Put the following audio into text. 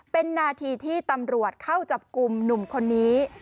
เป็นนาทีที่ตำรวจเข้าจับกลุ่มหนุ่มคนนี้